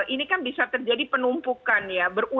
ini kan bisa terjadi penumpukan ya